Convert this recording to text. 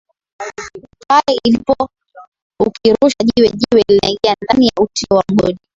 pale ilipo ukirusha jiwe jiwe linaingia ndani ya utio wa mgodi